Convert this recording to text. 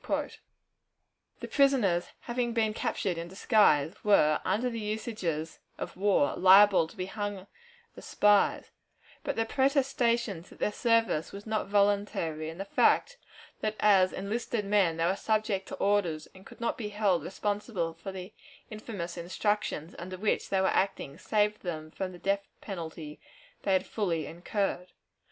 The prisoners, having been captured in disguise, were, under the usages of war, liable to be hanged as spies, but their protestations that their service was not voluntary, and the fact that as enlisted men they were subject to orders, and could not be held responsible for the infamous instructions under which they were acting, saved them from the death penalty they had fully incurred.